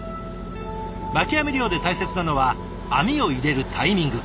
巻き網漁で大切なのは網を入れるタイミング。